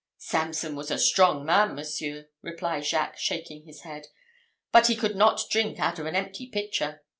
"Samson was a strong man, monseigneur," replied Jacques, shaking his head, "but he could not drink out of an empty pitcher.